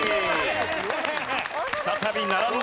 再び並んだ！